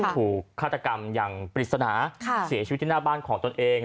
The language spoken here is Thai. ถูกฆาตกรรมอย่างปริศนาเสียชีวิตที่หน้าบ้านของตนเอง